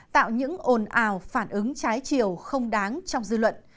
tạo những ồn ào phản ứng trái chiều không đáng trong dư luận